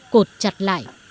cột chặt lại